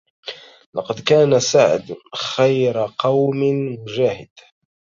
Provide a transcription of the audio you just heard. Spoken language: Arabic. لقد كان سعد خير قوم مجاهد